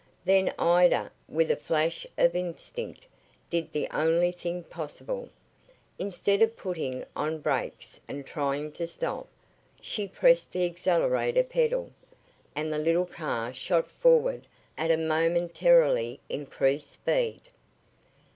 Then Ida, with a flash of instinct, did the only thing possible. Instead of putting on brakes and trying to stop, she pressed the accelerator pedal, and the little car shot forward at a momentarily increased speed.